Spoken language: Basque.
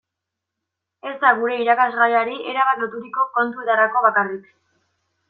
Ez da gure irakasgaiari erabat loturiko kontuetarako bakarrik.